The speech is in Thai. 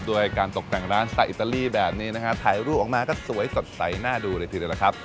โดยการตกแต่งร้านสไตลี่แบบนี้นะฮะถ่ายรูปออกมาก็สวยสดใสน่าดูเลยทีแล้วนะครับ